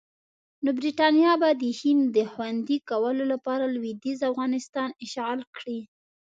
نو برټانیه به د هند د خوندي کولو لپاره لویدیځ افغانستان اشغال کړي.